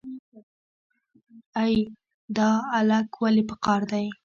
ای دا الک ولې په قار دی.